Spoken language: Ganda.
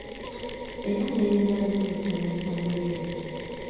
Era n'embira zo zinsanyusa nnyo!